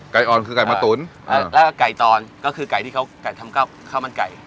อ่อนคือไก่มาตุ๋นแล้วไก่ตอนก็คือไก่ที่เขาไก่ทำข้าวมันไก่